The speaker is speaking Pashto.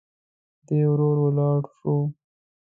دی ورو ولاړ شو.